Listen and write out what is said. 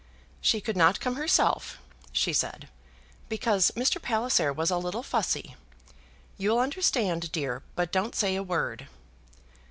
"She could not come herself," she said, "because Mr. Palliser was a little fussy. You'll understand, dear, but don't say a word."